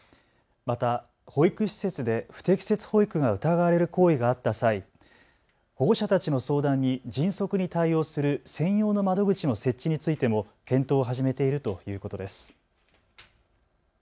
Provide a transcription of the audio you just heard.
また保育施設で不適切保育が疑われる行為があった際、保護者たちの相談に迅速に対応する専用の窓口の設置についても検討を始めているということです。